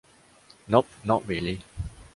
Nope, not really.